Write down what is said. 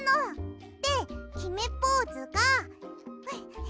できめポーズが。